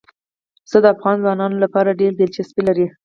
پسه د افغان ځوانانو لپاره ډېره دلچسپي لري.